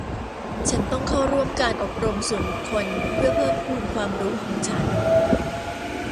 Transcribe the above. ฉันต้องเข้าร่วมการอบรมส่วนบุคคลเพื่อเพิ่มพูนความรู้ของฉัน